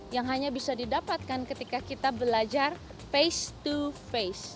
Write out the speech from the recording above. yang hanya bisa didapatkan ketika kita belajar face to face